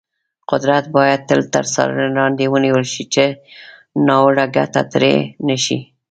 قدرت باید تل تر څارنې لاندې ونیول شي، چې ناوړه ګټه ترې نه شي.